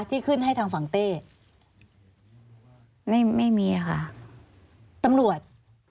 ที่ขึ้นให้ทางฝั่งเต้ไม่ไม่มีค่ะตำรวจ